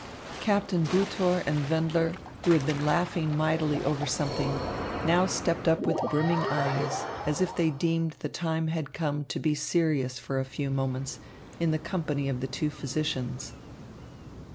Captain Butor and Wendler, who had been laughing mightily over something, now stepped up with brimming eyes, as if they deemed the time had come to be serious for a few moments in the company of the two physicians.